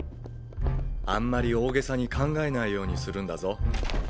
あんまり大げさに考えないようにするんだぞ。